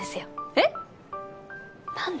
えっ⁉何で？